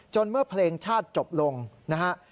เมื่อเพลงชาติจบลงนะฮะ